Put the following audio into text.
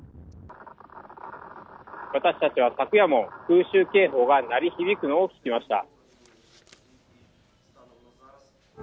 私たちは昨夜も、空襲警報が鳴り響くのを聞きました。